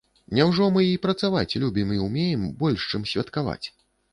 Няўжо мы і працаваць любім і ўмеем больш, чым святкаваць?